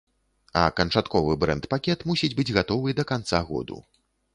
А канчатковы брэнд-пакет мусіць быць гатовы да канца году.